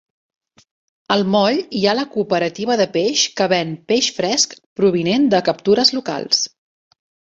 Al moll hi ha la cooperativa de peix que ven peix fresc provinent de captures locals.